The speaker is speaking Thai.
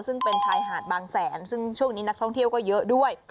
ซึ่งเป็นชายหาดบางแสนซึ่งช่วงนี้นักท่องเที่ยวก็เยอะด้วย